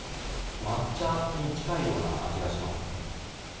抹茶に近いような味がします。